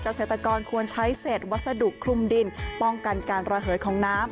เกษตรกรควรใช้เศษวัสดุคลุมดินป้องกันการระเหยของน้ำ